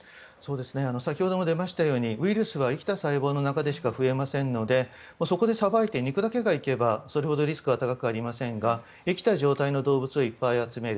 先ほども出ましたがウイルスは生きた細胞の中でしか生きていませんのでそこでさばいて肉だけがいけばそれほどリスクは高くありませんが生きた状態の動物をいっぱい集める。